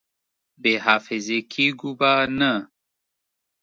بې حافظې کېږو به نه!